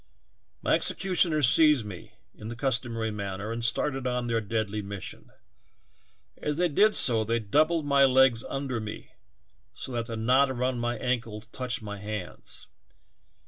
My executioners seized me in the customary man ner and started on their deadly mission. As they did so they doubled my legs under me so that the knot around my ankles touched my hands.